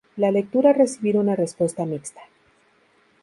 La lectura ha recibido una respuesta mixta.